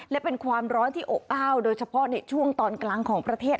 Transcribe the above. และเป็นความร้อนที่อบอ้าวโดยเฉพาะในช่วงตอนกลางของประเทศ